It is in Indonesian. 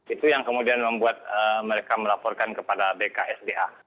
itu yang kemudian membuat mereka melaporkan kepada bksda